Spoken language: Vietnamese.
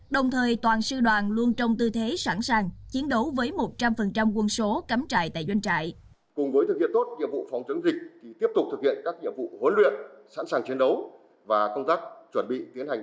đồng thời toàn sư đoàn luôn trong tư thế sẵn sàng chiến đấu với một trăm linh quân số cắm trài tại doanh trại